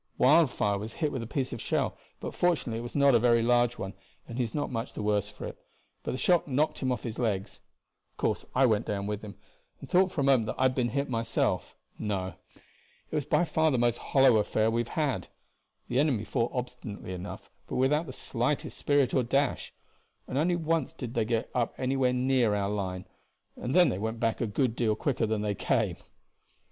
Wildfire was hit with a piece of shell, but fortunately it was not a very large one, and he is not much the worse for it, but the shock knocked him off his legs; of course I went down with him, and thought for a moment I had been hit myself. No; it was by far the most hollow affair we have had. The enemy fought obstinately enough, but without the slightest spirit or dash, and only once did they get up anywhere near our line, and then they went back a good deal quicker than they came."